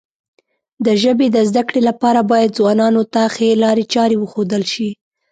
د ژبې د زده کړې لپاره باید ځوانانو ته ښې لارې چارې وښودل شي.